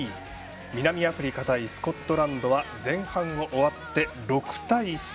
南アフリカ対スコットランドは前半を終わって６対３。